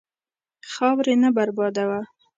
خاورې نه بربادوه.